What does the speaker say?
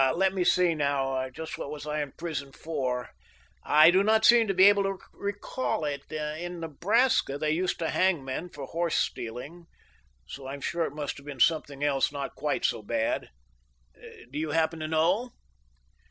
"Let me see, now just what was I in prison for? I do not seem to be able to recall it. In Nebraska, they used to hang men for horse stealing; so I am sure it must have been something else not quite so bad. Do you happen to know?"